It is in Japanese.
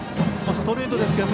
ストレートですけど